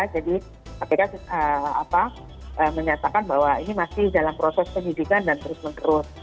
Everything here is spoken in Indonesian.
jadi kpk menyatakan bahwa ini masih dalam proses pendidikan dan terus mengerut